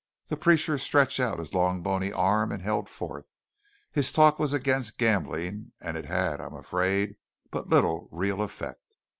The preacher stretched out his long bony arm, and held forth. His talk was against gambling, and it had, I am afraid, but little real effect.